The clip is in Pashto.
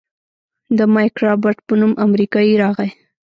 د مايک رابرټ په نوم امريکايي راغى.